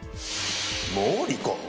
もう離婚？